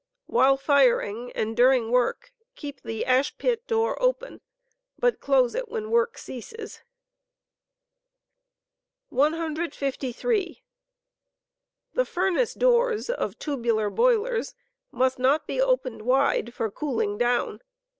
While firing, and during work, keep the ash pit door, open, but close it when work censes. 153. The furnace doors of tubular boilers must not be opened wide for "cooling down."